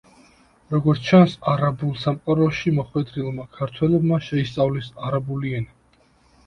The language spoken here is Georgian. როგორც ჩანს, არაბულ სამყაროში მოხვედრილმა ქართველებმა შეისწავლეს არაბული ენა.